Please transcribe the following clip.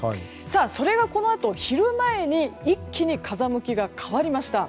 それがこのあと、昼前に一気に風向きが変わりました。